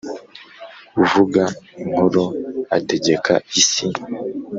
uvuga inkuru ategeka isi